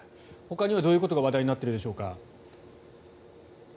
他にはどういうことが話題になっているでしょうか。